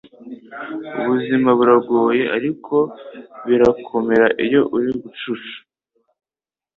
Ubuzima buragoye, ariko birakomera iyo uri igicucu.”